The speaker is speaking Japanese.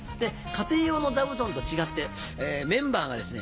家庭用の座布団と違ってメンバーがですね